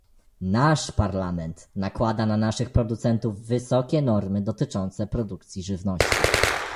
Nasz Parlament nakłada na naszych producentów wysokie normy dotyczące produkcji żywności